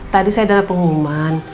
tadi saya dalam pengumuman